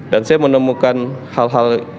dan saya menemukan hal hal yang membahagiakan ini